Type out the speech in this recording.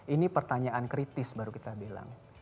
ini pertanyaan kritis baru kita bilang